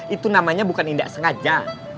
itu namanya bukan tidak sengaja